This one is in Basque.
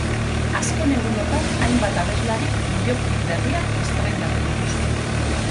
Azken egunotan hainbat abeslarik bideoklip berriak estreinatu dituzte.